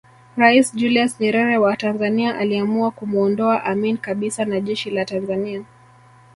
Rais Julius Nyerere wa Tanzania aliamua kumuondoa Amin kabisa na jeshi la Tanzania